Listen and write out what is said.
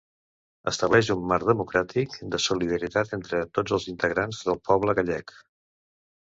Estableix un marc democràtic de solidaritat entre tots els integrants del poble gallec.